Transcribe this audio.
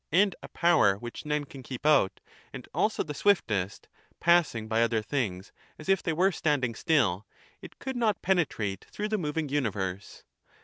and a power which none can keep out, and also the swiftest, passing by other things as if they were standing still, it could not penetrate through the moving universe.